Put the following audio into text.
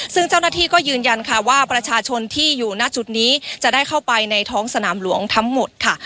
ซึ่งเจ้าหน้าที่ก็ยืนยันค่ะว่าประชาชนที่อยู่หน้าจุดนี้จะได้เข้าไปในท้องสนามหลวงทั้งหมดค่ะ